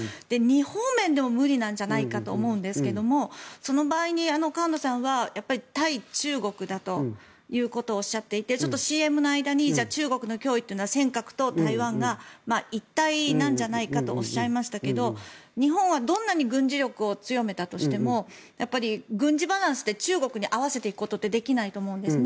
２方面でも無理なんじゃないかと思うんですがその場合に河野さんは対中国だということをおっしゃっていてちょっとＣＭの間に中国の脅威というのは尖閣と台湾が一体なんじゃないかとおっしゃいましたが日本はどんなに軍事力を強めたとしても軍事バランスで中国に合わせていくことってできないと思うんです。